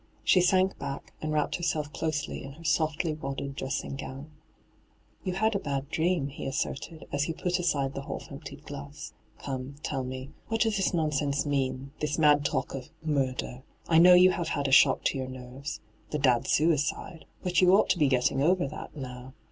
She sank back and wrapped herself closely in her softly wadded dressing gown. * Yon had a bad dream,' he asserted, as he pat aside the half emptied glass. ' Come, tell me : what does this nonsense mean — this mad talk of " murder "? I know you have had a shock to your nerves — the dad's suicide — but you ought to be getting over that now.